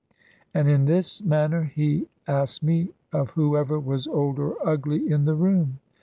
And in this manner he asked me of whoever was old or ugly in the room.